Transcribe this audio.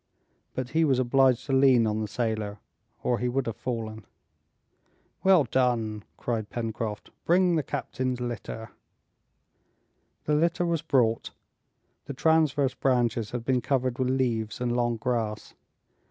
But he was obliged to lean on the sailor, or he would have fallen. "Well done!" cried Pencroft; "bring the captain's litter." The litter was brought; the transverse branches had been covered with leaves and long grass.